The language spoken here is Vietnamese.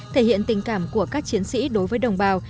thể hiện tình cảm của các chiến sĩ đối với đồng bào